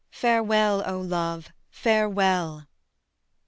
Farewell, O love, farewell."